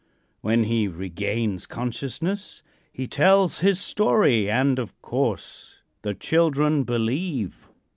When he regains consciousness, he tells his story and, of course, the children believe.